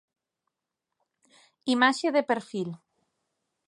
Imaxe de perfil.